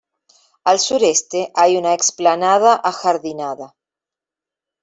Al sureste hay una explanada ajardinada.